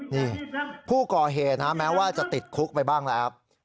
นี่ผู้ก่อเหตุนะแม้ว่าจะติดคุกไปบ้างแล้ว